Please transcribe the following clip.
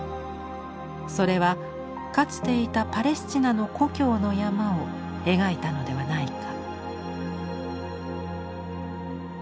それはかつていたパレスチナの故郷の山を描いたのではないか。